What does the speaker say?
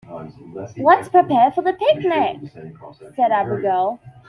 "Let's prepare for the picnic!", said Abigail.